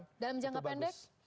dalam jangka pendek